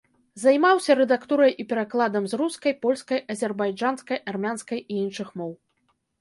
Займаўся рэдактурай і перакладам з рускай, польскай, азербайджанскай, армянскай і іншых моў.